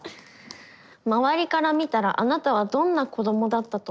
「周りから見たらあなたはどんな子どもだったと思いますか？」。